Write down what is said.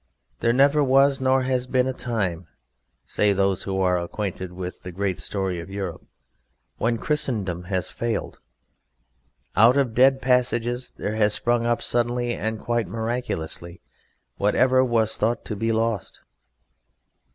There never was, nor has been, a time (say those who are acquainted with the great story of Europe) when Christendom has failed. Out of dead passages there has sprung up suddenly, and quite miraculously, whatever was thought to be lost.